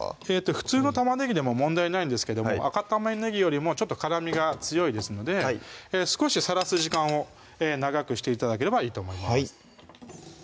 普通の玉ねぎでも問題ないんですけども赤玉ねぎよりもちょっと辛みが強いですので少しさらす時間を長くして頂ければいいと思います